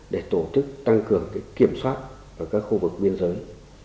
để tổ chức tăng cường kiểm soát ở các khu vực biên giới